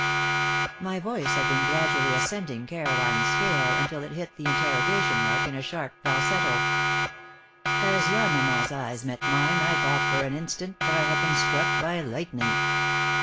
My voice had been gradually ascending Caroline's scale until it hit the interrogation mark in a sharp falsetto. As Yamama's eyes met mine I thought for an instant that I had been struck by lightning.